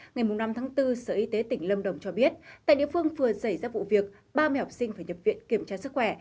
ngày năm tháng bốn sở y tế tỉnh lâm đồng cho biết tại địa phương vừa xảy ra vụ việc ba mẹ học sinh phải nhập viện kiểm tra sức khỏe